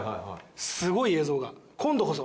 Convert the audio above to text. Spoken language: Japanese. すごい映像が今度こそ。